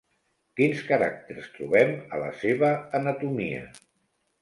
Quins caràcters trobem a la seva anatomia?